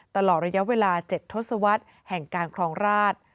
ตลอดระยะเวลา๗ทศวรรษแห่งการครองราช